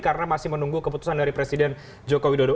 karena masih menunggu keputusan dari presiden joko widodo